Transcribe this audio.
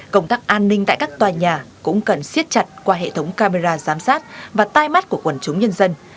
công tác an ninh tại các tòa nhà cũng cần siết chặt qua hệ thống camera giám sát và tai mắt của quần chúng nhân dân